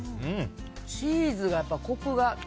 チーズがやっぱりコクが。